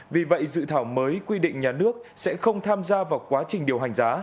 vì vậy dự thảo mới quy định nhà nước sẽ không tham gia vào quá trình điều hành giá